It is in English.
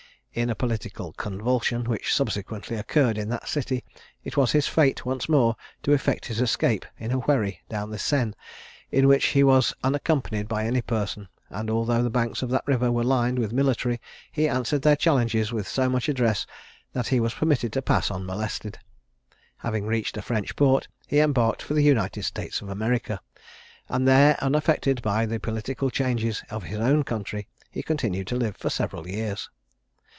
In a political convulsion, which subsequently occurred in that city, it was his fate once more to effect his escape in a wherry down the Seine, in which he was unaccompanied by any person; and although the banks of that river were lined with military, he answered their challenges with so much address, that he was permitted to pass unmolested. Having reached a French port, he embarked for the United States of America, and there, unaffected by the political changes of his own country, he continued to live for several years.